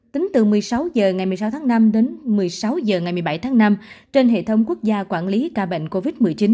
tính từ một mươi sáu h ngày một mươi sáu tháng năm đến một mươi sáu h ngày một mươi bảy tháng năm trên hệ thống quốc gia quản lý ca bệnh covid một mươi chín